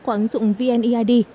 của ứng dụng vneid